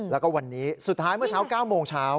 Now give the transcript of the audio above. แล้วก็วันนี้สุดท้ายเมื่อเช้า๙โมงเช้า